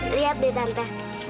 lihat deh tante